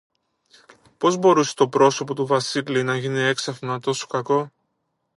Πώς μπορούσε το πρόσωπο του Βασίλη να γίνει έξαφνα τόσο κακό;